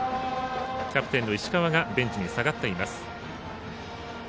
キャプテンの石川がベンチに下がっています。